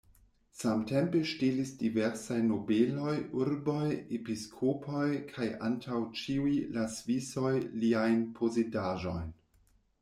Samtempe ŝtelis diversaj nobeloj, urboj, episkopoj kaj antaŭ ĉiuj la Svisoj liajn posedaĵojn.